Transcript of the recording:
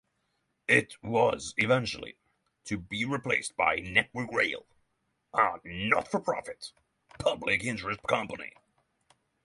It was eventually to be replaced by Network Rail, a not-for-profit 'public interest company'.